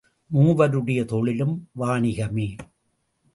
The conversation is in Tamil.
மூவருடைய தொழிலும் வாணிகமே!